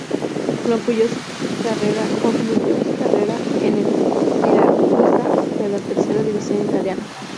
Concluyó su carrera en el Siracusa de la tercera división italiana.